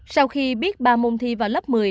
sau khi biết ba môn thi vào lớp một mươi